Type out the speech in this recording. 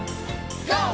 ＧＯ！